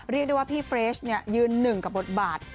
เรียกได้ว่าพี่เฟรชยืนหนึ่งกับบทบาท